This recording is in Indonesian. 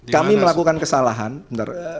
kami melakukan kesalahan enter